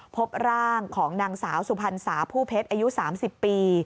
พบร่างของนางสาวสุพรรณสาผู้เพชรอายุ๓๐ปี